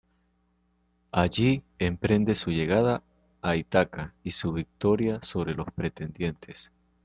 Allí emprende su llegada a Ítaca y su victoria sobre los pretendientes.